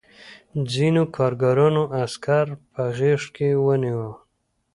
ځینو کارګرانو عسکر په غېږ کې ونیول